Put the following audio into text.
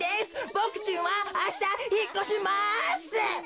ボクちんはあしたひっこします！